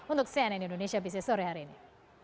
untuk cnn indonesia business sore hari ini